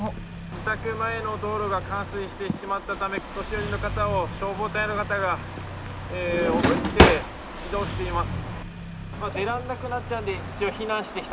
自宅前の道路が冠水してしまったためお年寄りの方を消防隊の方がおぶって移動しています。